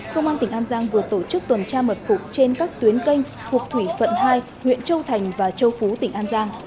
công an tỉnh an giang vừa tổ chức tuần tra mật phục trên các tuyến canh thuộc thủy phận hai huyện châu thành và châu phú tỉnh an giang